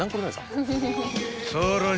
［さらに］